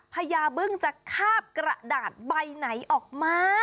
พญาบึ้งจะคาบกระดาษใบไหนออกมา